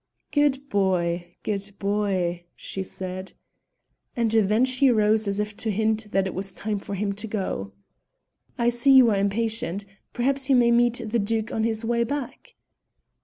"Good boy! good boy!" she said. And then she rose as if to hint that it was time for him to go. "I see you are impatient; perhaps you may meet the Duke on his way back."